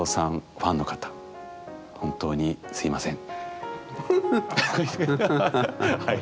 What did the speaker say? ファンの方本当にすいません。